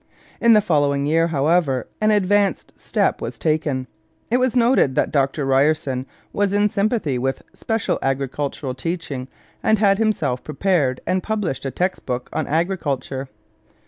In the following year, however, an advanced step was taken. It was noted that Dr Ryerson was in sympathy with special agricultural teaching and had himself prepared and published a text book on agriculture.